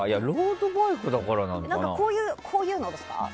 こういうのですか？